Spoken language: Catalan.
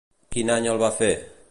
Quin any el va fer?